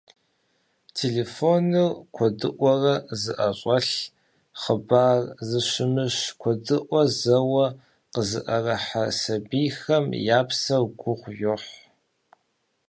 Телефоныр куэдыӀуэрэ зыӀэщӀэлъ, хъыбар зэщымыщ куэдыӀуэ зэуэ къызыӀэрыхьэ сабийхэм я псэр гугъу йохь.